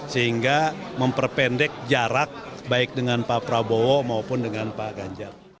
sehingga memperpendek jarak baik dengan pak prabowo maupun dengan pak ganjar